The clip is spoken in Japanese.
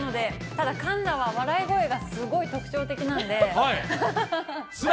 ただ、環奈は笑い声がすごい特徴的なので。